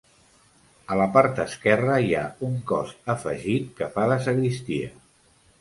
A la part esquerra hi ha un cos afegit que fa de sagristia.